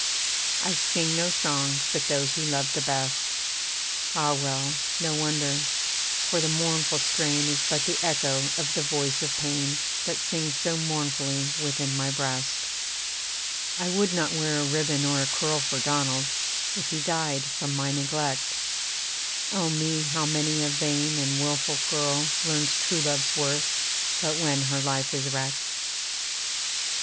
I sing no songs but those he loved the best. (Ah! well, no wonder: for the mournful strain Is but the echo of the voice of pain, That sings so mournfully within my breast.) I would not wear a ribbon or a curl For Donald, if he died from my neglect Oh me! how many a vain and wilful girl Learns true love's worth, but when her life is wrecked.